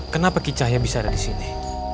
kenapa kicah ya bisa ada di sini